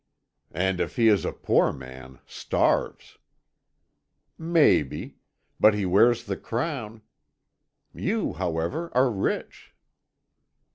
"And if he is a poor man, starves." "Maybe; but he wears the crown. You, however, are rich."